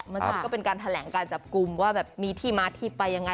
มันก็เป็นการแถลงการจับกลุ่มว่าแบบมีที่มาที่ไปยังไง